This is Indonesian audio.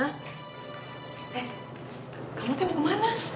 eh kamu tepuk kemana